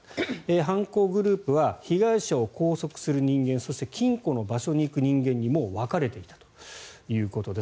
犯行グループは被害者を拘束する人間そして金庫の場所に行く人間にもう分かれていたということです。